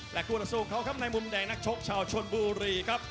และคู่ต่อสู้ของเขาครับในมุมแดงนักชกชาวชนบุรีครับ